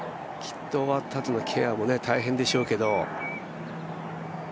きっと終わったあとのケアも大変でしょうけど。